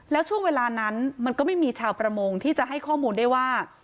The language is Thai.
แล้วช่วงเวลานั้นมันก็ไม่มีชาวประมงที่จะให้ข้อมูลได้ว่า